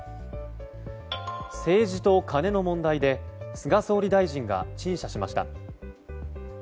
政治とカネの問題で菅総理大臣が陳謝しました。